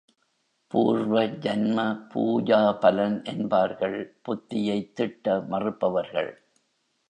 பூர்வ ஜன்ம பூஜாபலன் என்பார்கள் புத்தியைத் திட்ட மறுப்பவர்கள்.